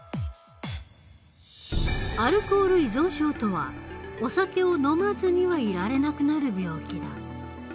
アルコール依存症とはお酒を飲まずにはいられなくなる病気だ。